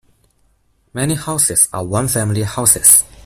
Many houses are one family houses.